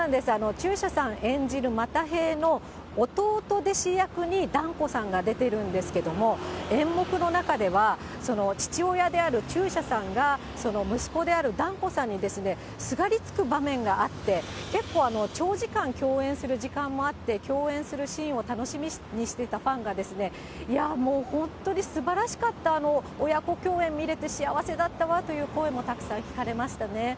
中車さん演じる又平の弟弟子役に、團子さんが出てるんですけれども、演目の中では、父親である中車さんが、その息子である團子さんにすがりつく場面があって、結構、長時間共演する時間もあって、共演するシーンを楽しみにしてたファンが、いやもう本当にすばらしかった、親子共演見れて、幸せだったわという声も、たくさん聞かれましたね。